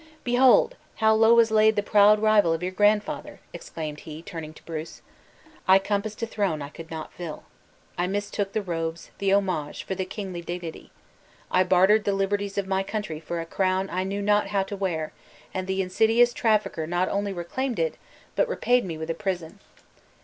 "Behold, how low is laid the proud rival of your grandfather!" exclaimed he, turning to Bruce. "I compassed a throne I could not fill. I mistook the robes, the homage, for the kingly dignity. I bartered the liberties of my country for a crown I knew not how to wear, and the insidious trafficker not only reclaimed it, but repaid me with a prison.